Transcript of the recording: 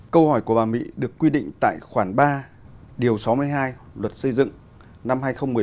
câu hỏi của bà mỹ được quy định tại khoản ba điều sáu mươi hai luật xây dựng năm hai nghìn một mươi bảy